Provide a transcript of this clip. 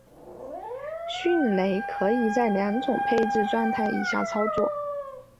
迅雷可在两种配置状态以下操作。